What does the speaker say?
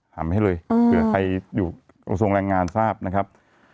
ทำให้เลยเผื่อใครอยู่กระทรวงแรงงานทราบนะครับ